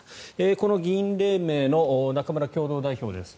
この議員連盟の中村共同代表です。